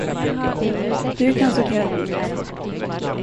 Du kan sortera skit.